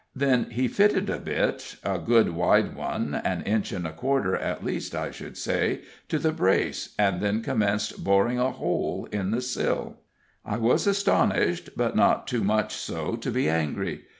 Then he fitted a bit a good wide one, an inch and a quarter, at least, I should say to the brace, and then commenced boring a hole in the sill. I was astonished, but not too much so to be angry.